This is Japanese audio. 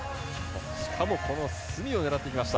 しかも隅を狙っていきました。